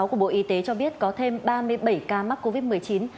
của bộ y tế cho biết có thêm ba mươi bảy ca mắc covid một mươi chín